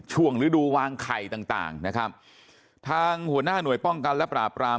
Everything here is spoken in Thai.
หรือดูวางไข่ต่างต่างนะครับทางหัวหน้าหน่วยป้องกันและปราบราม